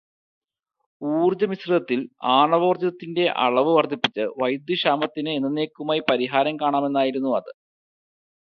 ഊർജമിശ്രിതത്തിൽ ആണവോർജത്തിന്റെ അളവ് വർധിപ്പിച്ച് വൈദ്യുതി ക്ഷാമത്തിന് എന്നന്നേക്കുമായി പരിഹാരം കാണാമെന്നായിരുന്നു അത്.